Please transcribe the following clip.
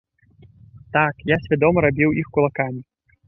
Так, я свядома рабіў іх кулакамі.